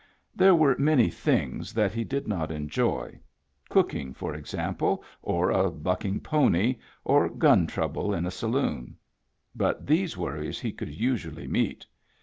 There were many things that he did not enjoy — cooking, for example, or a bucking pony, or gun trouble in a saloon ; but these worries he could usually meet.